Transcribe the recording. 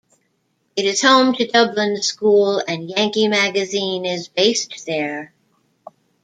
It is home to Dublin School and "Yankee" magazine is based there.